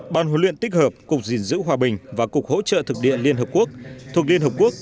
ban huấn luyện tích hợp cục diện giữ hòa bình và cục hỗ trợ thực địa liên hợp quốc thuộc liên hợp quốc